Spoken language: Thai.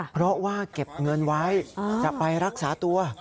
เพราะว่าเก็บเงินไว้จะไปรักษาตัว